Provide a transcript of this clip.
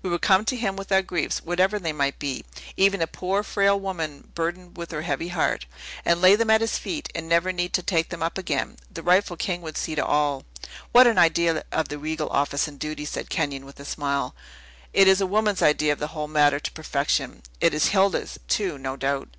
We would come to him with our griefs, whatever they might be, even a poor, frail woman burdened with her heavy heart, and lay them at his feet, and never need to take them up again. The rightful king would see to all." "What an idea of the regal office and duty!" said Kenyon, with a smile. "It is a woman's idea of the whole matter to perfection. It is Hilda's, too, no doubt?"